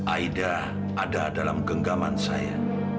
aida ada dalam genggaman saya